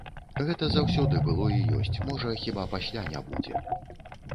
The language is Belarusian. Гэта заўсёды было і ёсць, можа, хіба пасля не будзе.